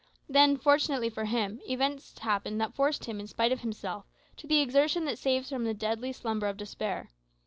Then, fortunately for him, events happened that forced him, in spite of himself, to the exertion that saves from the deadly slumber of despair.